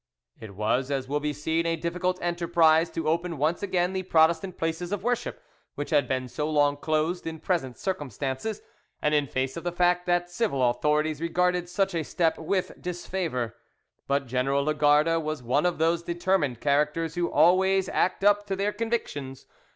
It was, as will be seen, a difficult enterprise to open once again the Protestant places of worship, which had been so long closed, in present circumstances, and in face of the fact that the civil authorities regarded such a step with disfavour, but General Lagarde was one of those determined characters who always act up to their convictions.